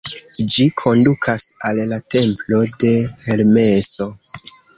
Ĝi kondukas al la templo de Hermeso.